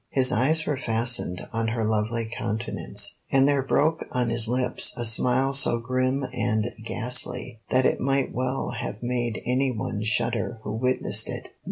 His eyes were fastened on her lovely countenance, and there broke on his lips a smile so grim and ghastly that it might well have made any one shudder who witnessed it.